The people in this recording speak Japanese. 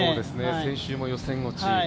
先週も予選落ち。